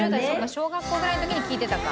小学校ぐらいの時に聞いてたか」